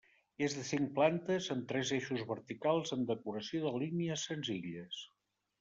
És de cinc plantes amb tres eixos verticals amb decoració de línies senzilles.